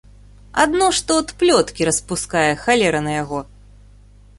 Адно што от плёткі распускае, халера на яго.